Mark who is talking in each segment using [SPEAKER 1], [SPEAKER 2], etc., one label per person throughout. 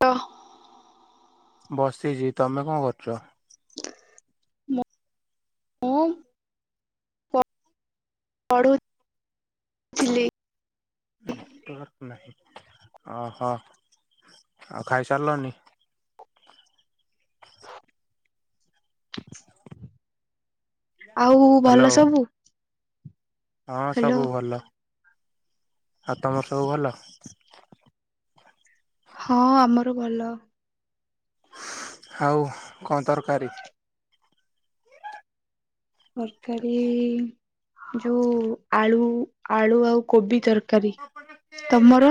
[SPEAKER 1] ତ
[SPEAKER 2] ବସିଚି। ତୋମେ କଣ କରୁଚ?
[SPEAKER 1] ମ ମୁଁ ପଢୁ ଥିଲି।
[SPEAKER 2] ନେଟୱାର୍କ ନାହିଁ, ଓହୋ, ଆଉ ଖାଇସାଲନି?
[SPEAKER 1] ଆଉ
[SPEAKER 2] ହ୍ୟାଲୋ
[SPEAKER 1] ଭଲ ସବୁ?
[SPEAKER 2] ହଁ
[SPEAKER 1] ହ୍ୟାଲୋ
[SPEAKER 2] ସବୁ ଭଲ, ଆଉ ତୋମର ସବୁ ଭଲ?
[SPEAKER 1] ହଁ ଆମର ଭଲ।
[SPEAKER 2] ଆଉ କଣ ତରକାରୀ?
[SPEAKER 1] ତରକାରୀ, ଯୋଉ ଆଳୁ ଆଳୁ ଆଉ କୋବି ତର କାରୀ, ତୋମର?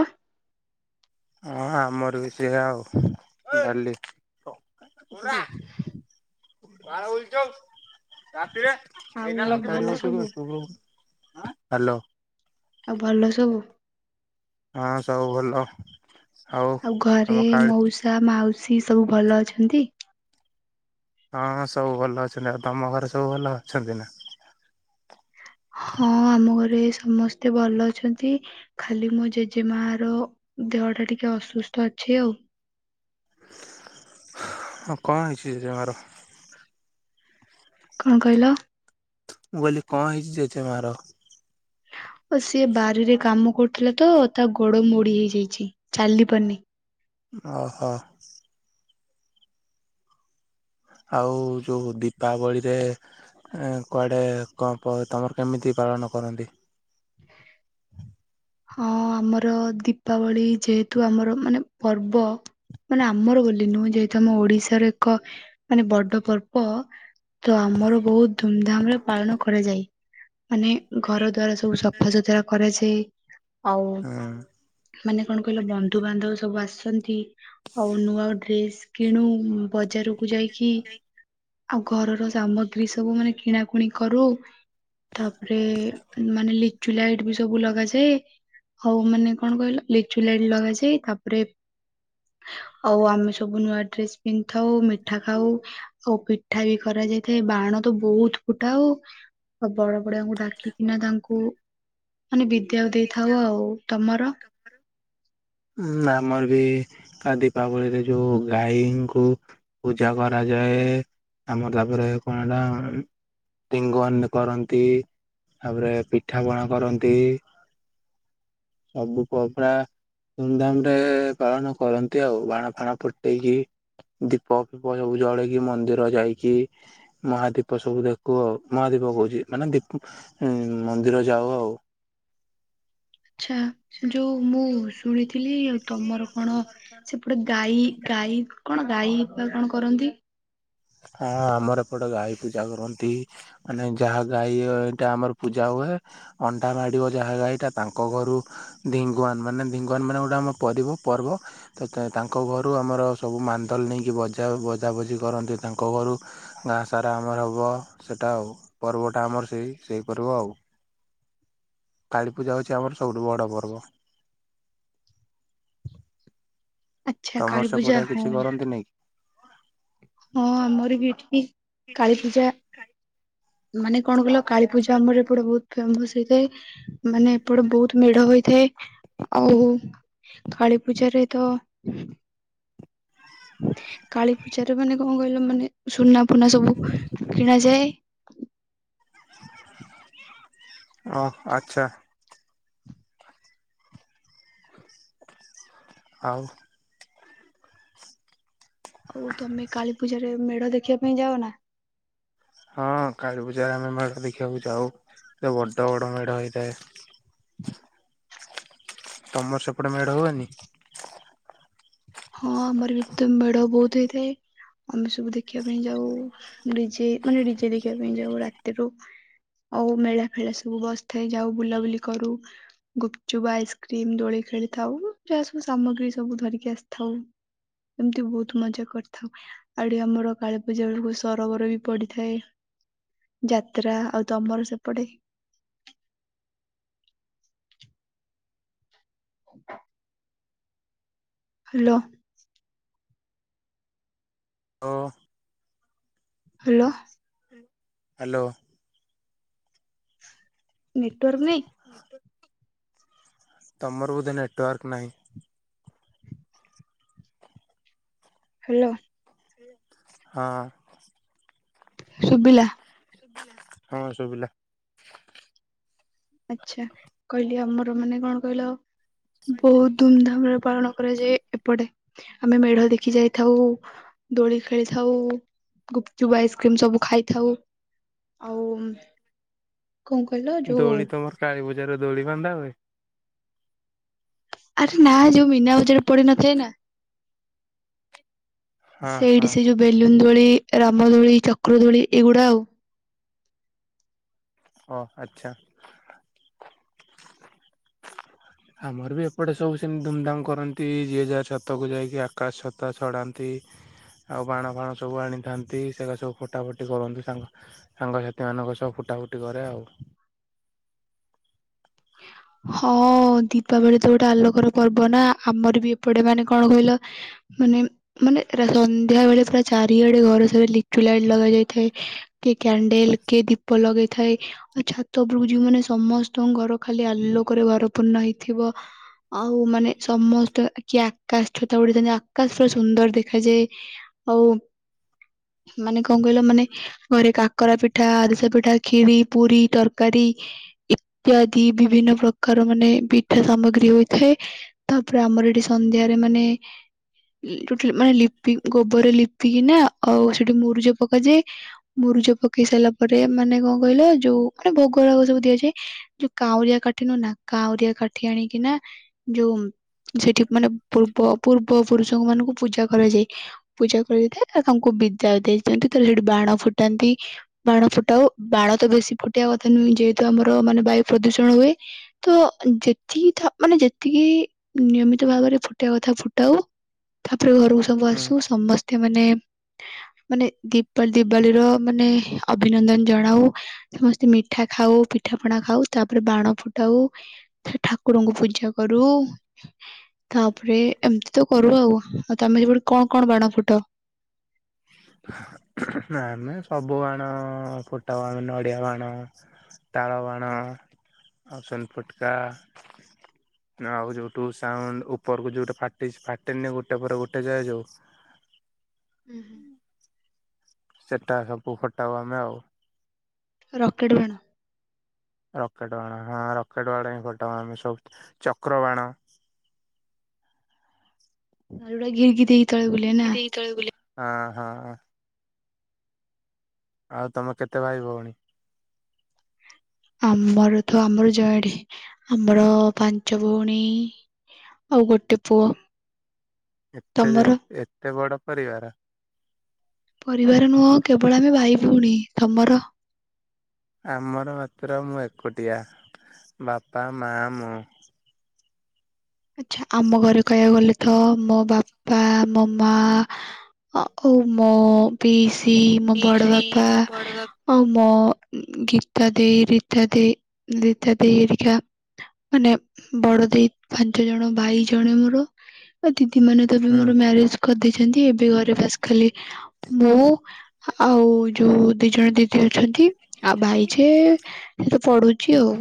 [SPEAKER 2] ଅଁ, ହଁ ଆମର ବି ସେୟା ଆଉ ଡାଲି। ପା ବାାର ବଛଉ ରାତିରେ।
[SPEAKER 1] ଆଉ ଭଲ ସବୁ
[SPEAKER 2] ହାଲୋ।
[SPEAKER 1] ଆଉ ଭଲ ସବୁ?
[SPEAKER 2] ହଁ ସବୁ ଭଲ।
[SPEAKER 1] ଆଉ ଘରେ
[SPEAKER 2] ତମ କାଳି
[SPEAKER 1] ମଉସା ମାଉସୀ ସବୁ ଭଲ ଅଛନ୍ତି?
[SPEAKER 2] ହଁଁ ସବୁ ଭଲ ଅଛନ୍ତି। ଆଉ ତୋମ ଘରେ ସବୁ ଭଲ ଅଛନ୍ତି ନା?
[SPEAKER 1] ହଁ ଆମ ଘରେ ସମସ୍ତେ ଭଲ ଅଛନ୍ତି। ଖାଲି ମୋ ଜେଜେମା ର ଦେହ ଟା ଟିକେ ଅସୁସ୍ଥ ଅଛି ଆଉ।
[SPEAKER 2] ହଁ କଣ ହେଇଛି ଜେଜେମା ର?
[SPEAKER 1] କଣ କହିଲ?
[SPEAKER 2] ମୁଁ କହିଲି କଣ ହେଇଛି ଜେଜେ ମା ର?
[SPEAKER 1] ଓ ସିଏ ବାରିରେ କାମ କରୁଥିଲା ତ, ତା ଗୋଡ ମୋଡି ହେଇଯାଇଛି ଚାଲି ପାରୁନି।
[SPEAKER 2] ଓହୋ। ଆଉ ଯୋଉ ଦୀପାବଳିରେ ଏଁ କୁଆଡ଼େ କଣ ପ-ତୋମର କେମିତି ପାଳନ କରନ୍ତି?
[SPEAKER 1] ହଁ ଆମର ଦୀପାବଳି ଯେହେତୁ ଆମର ମାନେ ପର୍ବ ମାନେ ଆମର ବୋଲି ନୁହେଁ, ଯେହେତୁ ଆମ ଓଡିଶାର ଏକ ମାନେ ବଡ ପର୍ବ। ତ ଆମର ବହୁତ ଧୁମଧାମ୍ ରେ ପାଳନ କରାଯାଏ। ମାନେ ଘର ଦ୍ୱାର ସବୁ ସ ଫଜଦରା କରାଯ। ସେ ଆଉ
[SPEAKER 2] ହୁଁ
[SPEAKER 1] ମାନେ କଣ କହିଲ ବନ୍ଧୁବାନ୍ଧବ ସବୁ ଆସଛନ୍ତି। ଆଉ ନୂଆ ଡ୍ରେସ୍ କିଣୁ ବଜାରକୁ ଯାଇକି। ଆଉ ଘରର ସାମଗ୍ରୀ ସବୁ ମାନେ କିଣାକୁଣି କରୁ। ତାପରେ ମାନେ ଲିଚୁ ଲାଇଟ ବି ସବୁ ଲଗାଯାଏ। ହଉ ମାନେ କଣ କହିଲ ଲିଚୁ ଲାଇଟ ଲଗାଯାଏ ତାପରେ ଆଉ ଆମେ ସବୁ ନୂଆ ଡ୍ରେସ ପିନ୍ଧିଥାଉ ମିଠା ଖାଉ। ଆଉ ପିଠା ବି କରାଯାଇଥାଏ ବାଣ ତ ବହୁତ ଫୁଟାଉ। ବଡ ବଡିଆଙ୍କୁ ଡାକିକିନା ତାଙ୍କୁ ମାନେ ବିଦ୍ୟାକୁ ଦେଇଥାଉ ଆଉ ତମର
[SPEAKER 2] [unintelligible] ଉଁ ଆମର ବି ଦୀପାବଳିରେ ଯୋଉ ଗାଈଙ୍କୁ ପୂଜା କରାଯାଏ ଆମର ତାପରେ କଣ ଏଟା ଟିଙ୍ଗନ କରନ୍ତି ତାପରେ ପିଠାପଣା କରନ୍ତି। ସବୁ ପରାଦା ଧୁମଧାମ ରେ ପାଳନ କରନ୍ତି ଆଉ ବାଣ ଫାଣ ଫୁଟେଇକି। ଦୀପ ଫିପ ସବୁ ଜଳେଇକି ମନ୍ଦିର ଯାଇକି ମହାଦୀପ ସବୁ ଦେଖୁ ଆଉ ମହାଦୀପ କହୁଛି ମାନେ ଦୀପ ଉଁ ମନ୍ଦିର ଯାଉ ଆଉ।
[SPEAKER 1] ଆଛା। ଯୋଉ ମୁଁ ଶୁଣିଥିଲି ଆଉ ତମର କଣ ସେପଟେ ଗାଈ ଗାଈ କଣ ଗାଈ କଣ କରନ୍ତି।
[SPEAKER 2] ହଁ ଆମର ଏପଟେ ଗାଈ ପୂଜା କରନ୍ତି। ମାନେ ଯାହା ଗାଈ ଏଇଟା ଆମର ପୂଜା ହୁଏ। ଅଣ୍ଡା ମାଡିବ ଯାହା ଏଇଟା ତାଙ୍କ ଘରୁ ଢିଙ୍ଗୁୱାନ ମାନେ ଢିଙ୍ଗୁଆନ ମାନେ ଗୋଟେ ଆମ ପରିବ ପର୍ବ। ତ ତାଙ୍କ ଘରୁ ଆମର ସବୁ ମାନ୍ଦଲ ନେଇକି ବଜା ବଜାବଜି କରନ୍ତି। ତାଙ୍କ ଘରୁ ଗାଁ ସାରା ଆମର ହେବ ସେଇଟା ଆଉ ପର୍ବଟା ଆମର ସେଇ ସେଇ ପର୍ବ ଆଉ।
[SPEAKER 1] [unintelligible]
[SPEAKER 2] କାଳିପୂଜା ହେଉଚି ଆମର ସବୁଠୁ ବଡ଼ ପର୍ବ।
[SPEAKER 1] ଆଚ୍ଛା
[SPEAKER 2] ତମର
[SPEAKER 1] କାଳୀ ପୂଜା
[SPEAKER 2] ସେପଟେ
[SPEAKER 1] ହଁ
[SPEAKER 2] କିଛି କରନ୍ତିନି କି?
[SPEAKER 1] ହଁ ଆମର ବି ଏଠି କାଳୀ ପୂଜା ମାନେ କଣ କଲ କାଳି ପୂଜା ଆମର ଏ ପଟେ ବହୁତ ଫେମସ ହେଇଥାଏ ମାନେ ଏପଟେ ବହୁତ ମେଢ ହେଇଥାଏ ଆଉ। କାଳୀପୂଜାରେ ତ। କାଳୀ ପୂଜାରେ ମାନେ କଣ କହିଲ ମାନେ ସୁନା ପୁନା ସବୁ କିଣା ଯାଏ।
[SPEAKER 2] ହଁ ଆଚ୍ଛା। ଆଉ
[SPEAKER 1] ହଉ ତମେ କାଳୀ ପୂଜାରେ ମେଢ ଦେଖିବା ପାଇଁ ଯାଅ ନା?
[SPEAKER 2] ହଁ କାଳୀ ପୂଜାରେ ଆମେ ମେଢ ଦେଖିବାକୁ ଯାଉ ସେ ବଡ ବଡ ମେଢ ହେଇଥାଏ। ତମର ସେପଟେ ମେଢ ହୁଏନି।
[SPEAKER 1] ହଁ ଆମର ବି ତ ମେଢ ବହୁତ ହେଇଥାଏ। ଆମେ ସବୁ ଦେଖିବା ପାଇଁ ଯାଉ ନିଜେ ମାନେ ନିଜେ ଦେଖିବା ପାଇଁ ଯାଉ ରାତିରୁ ଆଉ ମେଳା ଫେଳା ସବୁ ବସିଥାଏ ଯାଉ ବୁଲାବୁଲି କରୁ। ଗୁପଚୁପ ଆଇସ୍କ୍ରିମ୍ ଦୋଳି ଖେଳିଥାଉ ଯାହା ସବୁ ସାମଗ୍ରୀ ସବୁ ଧରିକି ଆସିଥ ଥାଉ ଏମିତି ବହୁତ ମଜା କରିଥାଉ। ଆରି ଆମର କାଳୀ ପୂଜା ବେଳକୁ ସରୋବର ବି ପଡିଥାଏ। ଯାତ୍ରା ଆଉ ତମର ସେପଟେ? ହ [unintelligible] ହ୍ୟାଲୋ।
[SPEAKER 2] ଓ
[SPEAKER 1] ହ୍ୟାଲୋ।
[SPEAKER 2] ହ୍ୟାଲୋ।
[SPEAKER 1] ନେଟୱାର୍କ ନାଇଁ।
[SPEAKER 2] [inaudible] ତମର ବୋଧେ ନେଟୱାର୍କ ନାହିଁ।
[SPEAKER 1] ହାଲୋ।
[SPEAKER 2] ହଁ।
[SPEAKER 1] ଶୁଭିଲା।
[SPEAKER 2] ଶୁଭିଲା ହଁ ଶୁଭିଲା।
[SPEAKER 1] ଆଚ୍ଛା କହିଲି ଆମର ମାନେ କଣ କହିଲ ବହୁତ୍ ଧୁମଧାମରେ ରେ ପାଳନ କରାଯାଏ ଏପଟେ। ଆମେ ମେଢ଼ ଦେଖି ଯାଇଥାଉ ଦୋଳି ଖେଳିଥାଉ। ଗୁପଚୁପ୍ ଆଇସ୍କ୍ରିମ ସବୁ ଖାଇଥାଉ ଆଉ କଣ କହିଲ? ଯୋଉ
[SPEAKER 2] ଦୋଳି ତମର କାଳୀ ବଜାରରେ ଦୋଳି ବନ୍ଧା ହୁଏ?
[SPEAKER 1] ଆରେ ନା ଯୋଉ ମିନା ବଜାର ପଡ଼ି ନଥାଏ ନା।
[SPEAKER 2] ହଁ
[SPEAKER 1] ସେଇଠି
[SPEAKER 2] ହଁ
[SPEAKER 1] ସେ ଯୋଉ ବେଲୁନ୍ ଦୋଳି, ରାମଦୋଳି, ଚକ୍ର ଦୋଳି ଏଇଗୁଡା଼ ଆଉ।
[SPEAKER 2] ଓ ଆଚ୍ଛା। ଆମର ବି ଏପଟେ ସବୁ ସେମିତି ଧୁମଧାମ କରନ୍ତି ଯିଏ ଯାହା ଛାତକୁ ଯାଇକି ଆକାଶ ଛତା ଛଡ଼ାନ୍ତି। ଆଉ ବାଣ ଫାଣ ସବୁ ଆଣିଥାନ୍ତି ସେଇରା ସବୁ ଫଟା ଫଟି କରନ୍ତି ସାଙ୍ଗ ସାଙ୍ଗସାଥି ମାନଙ୍କ ସହ ଫୁଟା ଫୁଟି କରେ ଆଉ।
[SPEAKER 1] [inaudible] ହଁ ଦୀପାବଳି ତ ଗୋଟେ ଆଲୋକର ପର୍ବ ନା ଆମର ବି ଏପଟେ ମାନେ କଣ କହିଲ ମାନେ ମାନେ ସନ୍ଧ୍ୟା ବେଳେ ପୁରା ଚାରିଆଡ଼େ ଘରେ ସାରା ଲିଚୁ ଲାଇଟ୍ ଲଗା ଯାଇଥାଏ। କିଏ କ୍ୟାଣ୍ଡେଲ୍ କିଏ ଦୀପ ଲଗେଇଥାଏ ଆଉ ଛାତ ଉପରକୁ ଯିବୁ ମାନେ ସମସ୍ତଙ୍କ ଘର ଖାଲି ଆଲୋକରେ ଘରପୂର୍ଣ୍ଣ ହେଇଥିବ। ଆଉ ମାନେ ସମସ୍ତେ କିଏ ଆକାଶ ଛତା ଉଡେଇଥାନ୍ତି ଆକାଶ ପୁରା ସୁନ୍ଦର ଦେଖାଯାଏ। ଆଉ ମାନେ କଣ କହିଲ ମାନେ ଘରେ କାକରା ପିଠା, ଆରିସା ପିଠା, ଖିରି, ପୁରୀ, ତରକାରୀ ଇତ୍ୟା ଦି ବିଭିନ୍ନ ପ୍ରକାର ମାନେ ପିଠା ସାମଗ୍ରୀ ହୋଇଥାଏ। ତାପରେ ଆମର ଏଠି ସନ୍ଧ୍ୟାରେ ମାନେ ଟୋଟାଲ୍ ମାନେ ଲିପି ଗୋବର ଲିପିକିନା ଆଉ ସେଠି ମୁରୁଜ ପକାଯାଏ। ମୁୁରୁଜ ପକେଇ ସାରିଲା ପରେ ମାନେ କଣ କହିଲ ଯୋଉ ମାନେ ଭୋଗରାଗ ସବୁ ଦିଆଯାଏ। ଯୋଉ କାଉଁରିଆ କାଠି ନୁହୁଁ ନା କାଉଁରିଆ କାଠି ଆଣିକି ନା ଯୋଉ ସେଠି ମାନେ ପୂର୍ବ ପୂର୍ବ ପୁରୁଷଙ୍କୁ ମାନଙ୍କୁ ପୂଜା କରାଯାଏ। ପୂଜା କରାଯାଇଥାଏ ତ ତାଙ୍କୁ ବିଦାୟ ଦେଇ ଦିଅନ୍ତି ତାହେଲେ ସେଠି ବାଣ ଫୁଟାନ୍ତି। ବାଣ ଫୁଟାଉ ବାଣ ତ ବେଶୀ ଫୁଟେଇବା କଥା ନୁହେଁ ଯେହେତୁ ଆମର ମାନେ ବାୟୁ ପ୍ରଦୂଷଣ ହୁଏ। ତ ଯେତିକି ଥ ମାନେ ଯେତିକି ନିୟମିତ ଭାବରେ ଫୁଟେଇବା କଥା ଫୁଟାଉ। ତାପରେ ଘରକୁ ସବୁ ଆସୁ ସମସ୍ତେ ମାନେ ମାନେ ଦୀପ ଦିବାଲି ର ମାନେ ଅଭିନନ୍ଦନ ଜଣାଉ। ସମସ୍ତେ ମିଠା ଖାଉ ପିଠାପଣା ଖାଉ। ତାପରେ ବାଣ ଫୁଟାଉ ଠାକୁରଙ୍କୁ ପୂଜା କରୁ। ତାପରେ ଏମିତି ତ କରୁ ଆଉ ଆଉ ତମେ ସେପଟ କଣ କଣ ବାଣ ଫୁଟାଅ?
[SPEAKER 2] ଆମେ ସବୁ ବାଣ ଫୁଟାଉ ଆମେ ନଡ଼ିଆ ବାଣ ତାଳବାଣ ଆଉ ସୁନ୍ ଫୁଟୁକା ଆଉ ଯୋଉଠୁ ସାଉଣ୍ଡ ଉପରକୁ ଯୋଉଠୁ ଫାଟି ଫାଟେନି ଗୋଟେ ପରେ ଗୋଟେ ଯାଏ ଯୋଉ।
[SPEAKER 1] ଉଁ ହୁଁ।
[SPEAKER 2] ସେଟା ସବୁ ଫଟାଉ ଆମେ ଆଉ।
[SPEAKER 1] ରକେଟ୍ ବାଣ।
[SPEAKER 2] ରକେଟ୍ ବାଣ ହଁ ରକେଟ୍ ବାଣ ହିଁ ଫଟାଉ ଆମେ ସବୁ ଚକ୍ରବାଣ।
[SPEAKER 1] ଆଉ ଯୋଉଟା ଘିରିଘିରି ହେଇକି ତଳେ ବୁଲେ ନା।
[SPEAKER 2] ତଳେ ବୁଲେ ହଁ ହଁ ହଁ। ଆଉ ତମେ କେତେ ଭାଇ ଭୋଉଣୀ।
[SPEAKER 1] ଆମର ତ ଆମର ଜଏଣ୍ଟ ଆମର ପାଞ୍ଚ ଭଉଣୀ। ଆଉ ଗୋଟେ ପୁଅ।
[SPEAKER 2] ଏତେ ଯେ
[SPEAKER 1] ତମର?
[SPEAKER 2] ଏତେ ବଡ ପରିବାର।
[SPEAKER 1] ପରିବାର ନୁହଁ କେବଳ ଆମେ ଭାଇ ଭଉଣୀ ତମର
[SPEAKER 2] ଆମର ମାତ୍ର ମୁଁ ଏକୁଟିଆ ବାପା ମା ମୁଁ।
[SPEAKER 1] ଆଚ୍ଛା ଆମ ଘରେ କହିବାକୁ ଗଲେ ତ ମୋ ବା ପା ମୋ ମା ଆଉ ମୋ ପିଇସିି ମୋ
[SPEAKER 2] ପିଇସି
[SPEAKER 1] ବଡବାପା।
[SPEAKER 2] ମୋ ବଡ ବାପା
[SPEAKER 1] ଆଉ ମୋ ଗୀତା ଦେଇ ରୀତା ଦେଇ ନୀତା ଦେଇ ହରିକା। ମାନେ ବଡ଼ ଦେଇ। ପାଞ୍ଚ ଜଣ ଭାଇ ଜଣେ ମୋର ଦିଦି ମାନେ ତ ବି
[SPEAKER 2] ହୁଁ
[SPEAKER 1] ମୋର ମ୍ୟାରେଜ କରିଦେଇଛନ୍ତି ଏବେ ଘରେ ବାସ୍ ଖାଲି ମୁଁ ଆଉ ଯୋଉ ଦି ଜଣ ଦିଦି ଅଛନ୍ତି ଆଉ ଭାଇ ଯେ ସେ ପଢୁଛି ଆଉ।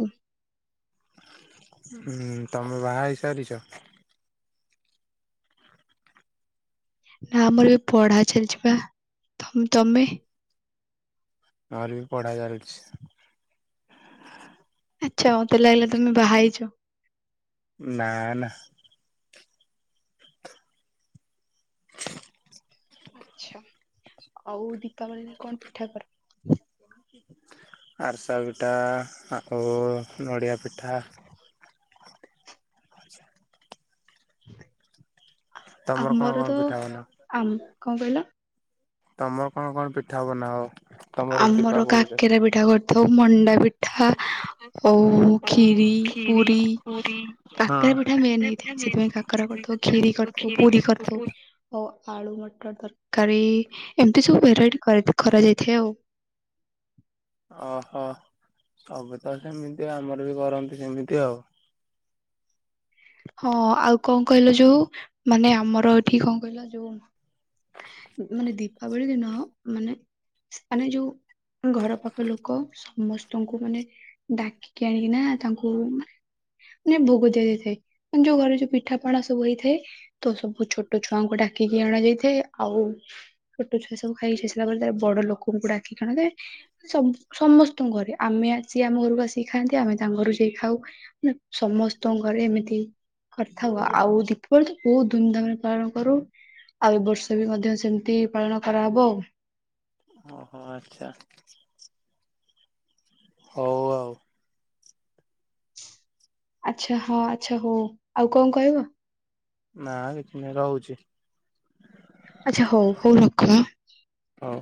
[SPEAKER 2] ହୁଁ ତମେ ବାହା ହେଇ ସାରିଚ?
[SPEAKER 1] ନା ଆମର ଏବେ ପଢା ଚାଲିଚି ବା ତମ୍ ତମେ?
[SPEAKER 2] ଆମର ବି ପଢ଼ା ଚାଲିଚି।
[SPEAKER 1] ଆଚ୍ଛା ମତେ ଲାଗିଲା ତମେ ବାହା ହେଇଚ।
[SPEAKER 2] ନା ନା।
[SPEAKER 1] ଆଚ୍ଛା ଆଉ ଦୀପାବଳିରେ କଣ ପିଠା କର।
[SPEAKER 2] ଆରିସା ପିଠା ଆଉ ନଡ଼ିଆ ପିଠା। ତମର କଣ
[SPEAKER 1] ଆମର
[SPEAKER 2] କଣ
[SPEAKER 1] ତ
[SPEAKER 2] ପିଠା ବନାଅ?
[SPEAKER 1] ଆମ୍ କଣ କହିଲ।
[SPEAKER 2] ତମର କଣ କଣ ପିଠା ବନାଅ। ତମର
[SPEAKER 1] ଆମର
[SPEAKER 2] ଦୀପାବଳିରେ?
[SPEAKER 1] କାକେରା ପିଠା କରିଥାଉ ମଣ୍ଡା ପିଠା ଓଉ ଖିରି
[SPEAKER 2] ଖିରି,
[SPEAKER 1] ପୁରୀ
[SPEAKER 2] ପୁରୀ
[SPEAKER 1] କାକରା ପିଠା ମେନ୍ ହେଇଥାଏ
[SPEAKER 2] ମେନ୍
[SPEAKER 1] ସେଥିପାଇଁ
[SPEAKER 2] ହେଇଥାଏ
[SPEAKER 1] କାକରା
[SPEAKER 2] ସେଥିପାଇଁ
[SPEAKER 1] କରିଥାଉ।
[SPEAKER 2] କାକରା
[SPEAKER 1] ଖିରି
[SPEAKER 2] କରିଥିବ
[SPEAKER 1] କରିଥାଉ
[SPEAKER 2] ଖିରି
[SPEAKER 1] ପୁରୀ
[SPEAKER 2] କରିଥିବ
[SPEAKER 1] କରିଥାଉ।
[SPEAKER 2] ପୁରୀ
[SPEAKER 1] ଓ ଆଳୁ ମଟର ତରକାରୀ ଏମିତି ସବୁ ଭେରାଇଟି କରା କରାଯାଇଥାଏ ଆଉ।
[SPEAKER 2] ଅହ ତମେ ତ ସେମିତି ଆମର ବି କରନ୍ତି ସେମିତି ଆଉ।
[SPEAKER 1] ହଁ ଆଉ କଣ କହିଲ ଯୋଉ ମାନେ ଆମର ଏଠି କଣ କହିଲ ଯୋଉ ମାନେ ଦୀପାବଳି ଦିନ ମାନେ ମାନେ ଯୋଉ ଘର ପାଖ ଲୋକ ସମସ୍ତଙ୍କୁ ମାନେ ଡାକିକି ଆଣିକିନା ତାଙ୍କୁ ମାନେ ଯେ ଭୋଗ ଦିଆଯାଇଥାଏ। ନେ ଯୋଉ ଘରେ ଯୋଉ ପିଠାପଣା ସବୁ ହେଇଥାଏ। ତ ସବୁ ଛୋଟ ଛୁଆଙ୍କୁ ଡାକିକି ଅଣା ଯାଇଥାଏ ଆଉ ଛୋଟ ଛୁଆ ସବୁ ଖାଇ ସସିଲା ପରେ ତାରେ ବଡ ଲୋକଙ୍କୁ ଡାକିକି ଅଣାଯାଏ। ସବ୍ ସମସ୍ତଙ୍କ ଘରେ ଆମେ ଆସିି ଆମ ଘରକୁ ଆସିକି ଖାଆନ୍ତି ଆମେ ତାଙ୍କ ଘରୁ ଯାଇ ଖାଉ। ନା ସମସ୍ତଙ୍କ ଘରେ ଏମିତି ବି କରିଥାଉ ଆଉ ଦୀପାବଳି ତ ବହୁତ ଧୁମଧାମ୍ ରେ ପାଳନ କରୁ। ଆଉ ଏ ବର୍ଷ ବି ମଧ୍ୟ ସେମିତି ପାଳନ କରା ହେବ ଆଉ।
[SPEAKER 2] ଓହୋ ଆଚ୍ଛା ହଉ ଆଉ।
[SPEAKER 1] ଆଚ୍ଛା ହଁ ଆଚ୍ଛା ହଉ ଆଉ କଣ କହିବ?
[SPEAKER 2] ନା କିଛି ନୁହଁ ରହୁଚି।
[SPEAKER 1] ଆଚ୍ଛା ହଉ ହଉ ରଖ ଆଁ।
[SPEAKER 2] ହଉ।